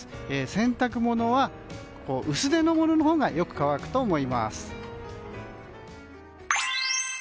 洗濯物は薄手のもののほうがよく乾くと思います。